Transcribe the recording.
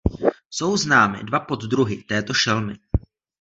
Jsou známy dva poddruhy této šelmy.